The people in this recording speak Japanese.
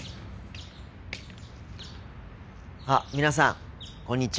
あっ皆さんこんにちは。